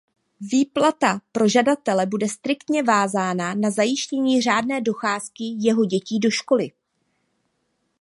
Výplata pro žadatele bude striktně vázána na zajištění řádné docházky jeho dětí do školy.